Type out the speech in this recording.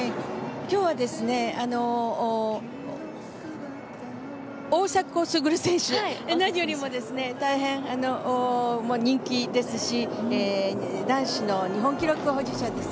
今日は大迫傑選手が何よりも大変人気ですし男子の日本記録保持者です。